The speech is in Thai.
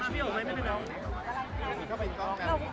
พี่คะ